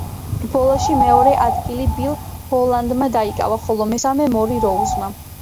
რბოლაში მეორე ადგილი ბილ ჰოლანდმა დაიკავა, ხოლო მესამე მორი როუზმა.